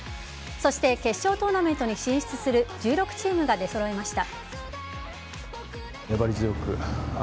そして決勝トーナメントに進出する１６チームが出揃いました。